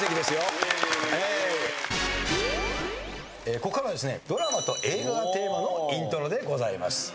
ここからはドラマと映画がテーマのイントロでございます。